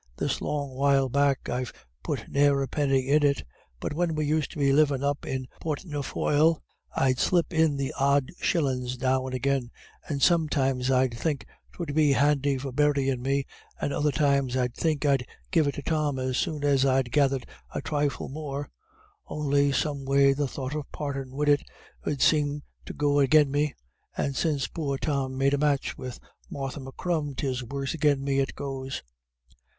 This long while back I've put ne'er a penny in it, but when we used to be livin' up at Portnafoyle I'd slip in the odd shillin's now and agin, and sometimes I'd think 'twould be handy for buryin' me, and other times I'd think I'd give it to Tom as soon as I'd gathered a thrifle more, on'y some way the thought of partin' wid it 'ud seem to go agin me, and since poor Tom made a match with Martha M'Crum 'tis worse agin me it goes.